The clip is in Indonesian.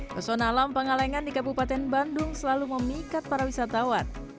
pesona alam pengalengan di kabupaten bandung selalu memikat para wisatawan